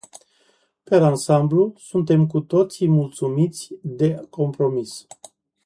Per ansamblu, suntem cu toții mulțumiți de compromis.